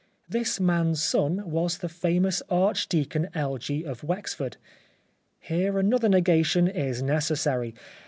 This man's son was the famous Archdeacon Elgee of Wexford. Here another negation is necessary.